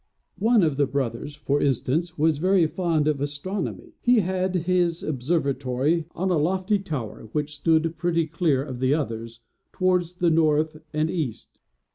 One of the brothers, for instance, was very fond of astronomy. He had his observatory on a lofty tower, which stood pretty clear of the others, towards the north and east.